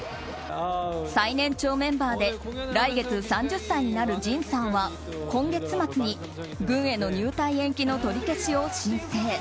最年長メンバーで来月３０歳になるＪＩＮさんは今月末に軍への入隊延期の取り消しを申請。